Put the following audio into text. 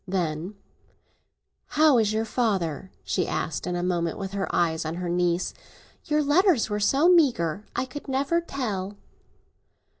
Then, "How is your father?" she asked in a moment, with her eyes on her niece. "Your letters were so meagre—I could never tell!"